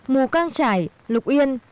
mù cang trải lục yên trạm tàu